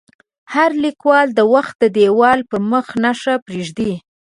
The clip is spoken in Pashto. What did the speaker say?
هر لیکوال د وخت د دیوال پر مخ نښه پرېږدي.